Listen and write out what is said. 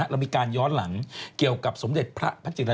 เรามีการย้อนหลังเกี่ยวกับสมเด็จพระพระจิร